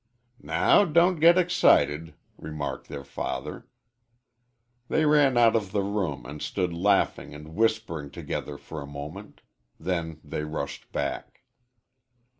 "Now don't get excited," remarked their father. They ran out of the room, and stood laughing and whispering together for a moment. Then they rushed back.